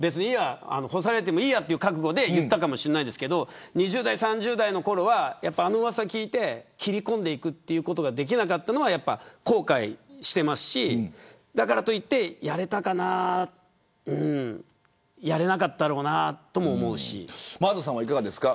干されてもいいやという覚悟で言ったかもしれないですけど２０代３０代のころはあのうわさを聞いて切り込んでいくことができなかったのは後悔していますしだからといって、やれたかな真麻さんはいかがですか。